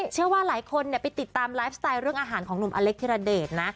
เชื่อว่าหลายคนไปติดตามไลฟ์สไตล์เรื่องอาหารของหนุ่มอเล็กธิรเดชนะ